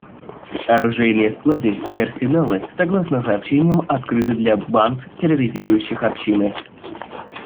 Оружейные склады и арсеналы, согласно сообщениям, открыты для банд, терроризирующих общины.